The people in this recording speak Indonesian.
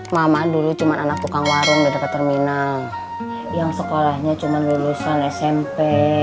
mama dulu cuman anak tukang warung deket terminal yang sekolahnya cuman lulusan smp